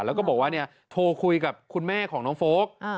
แล้วก็บอกว่าโทรคุยกับคุณแม่ของน้องโฟลก